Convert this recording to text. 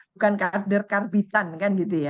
bukan kader kabitan kan gitu ya